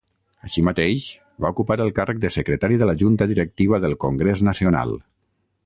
Així mateix, va ocupar el càrrec de Secretari de la Junta Directiva del Congrés Nacional.